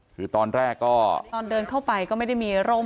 คือตอนแรกก็ตอนเดินเข้าไปก็ไม่ได้มีร่ม